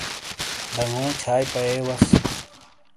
ڈنگو چھائی پَئیے وس۔